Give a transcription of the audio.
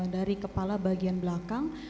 dari kepala bagian belakang